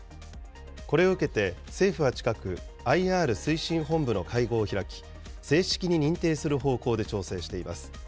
これを受けて、政府は近く、ＩＲ推進本部の会合を開き、正式に認定する方向で調整しています。